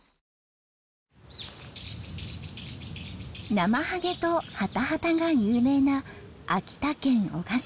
なまはげとハタハタが有名な秋田県男鹿市。